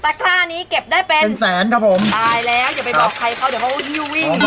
กล้านี้เก็บได้เป็นแสนครับผมตายแล้วอย่าไปบอกใครเขาเดี๋ยวเขาฮิ้ววิ่ง